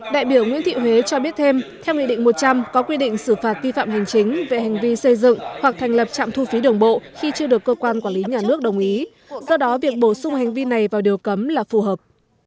đại biểu nguyễn thị huế cho biết thêm theo nghị định một trăm linh có quy định xử phạt vi phạm hành chính về hành vi xây dựng hoặc thành lập trạm thu phí đường bộ khi chưa được cơ quan quản lý nhà nước đồng ý do đó việc bổ sung hành vi này vào điều cấm là phù hợp